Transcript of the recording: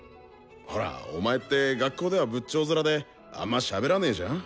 ほらお前って学校では仏頂面であんましゃべらねじゃん？